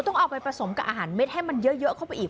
ต้องเอาไปผสมกับอาหารเม็ดให้มันเยอะเข้าไปอีก